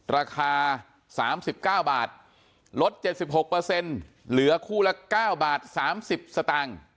ราคา๓๙บาทลด๗๖เหลือคู่ละ๙บาท๓๐สตางค์